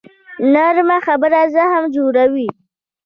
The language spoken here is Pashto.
نرمه خبره زخم جوړوي